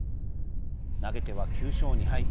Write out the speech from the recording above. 投げては９勝２敗。